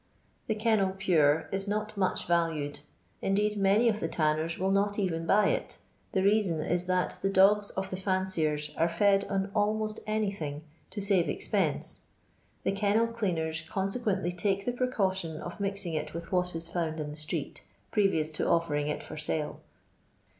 The kennel " pure " is not much ralued, indeed many of the tinners will not even buy it, the reason is that the dogs of the " fiuiciers " are ftd on almost any thing; to save expense ; the kennel cUuiers con aeqaentiy take the precaution of mixing it with what is fovnd in the street^ previous to offering it fcrsale.